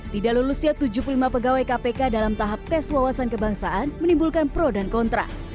tidak lulusnya tujuh puluh lima pegawai kpk dalam tahap tes wawasan kebangsaan menimbulkan pro dan kontra